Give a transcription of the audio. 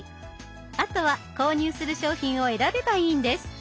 あとは購入する商品を選べばいいんです。